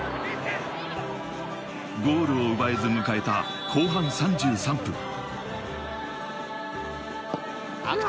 ゴールを奪えず迎えた後半３３分。